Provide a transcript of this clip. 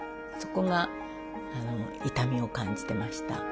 そこが痛みを感じてました。